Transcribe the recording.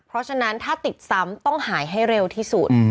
เพราะฉะนั้นถ้าติดซ้ำต้องหายให้เร็วที่สุด